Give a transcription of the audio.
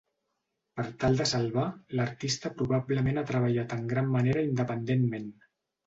Per tal de salvar, l'artista probablement ha treballat en gran manera independentment.